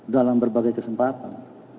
dalam berbagai kesempatan